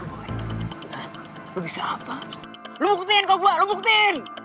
lu buktiin kok gua lu buktiin